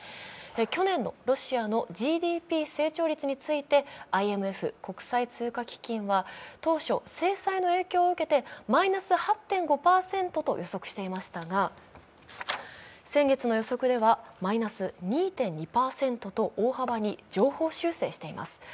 去年のロシアのＧＤＰ成長率についてて、ＩＭＦ＝国際通貨基金は当初制裁の影響を受けてマイナス８．５％と予測していましたが先月の予測ではマイナス２．２％と大幅に上方修正しています。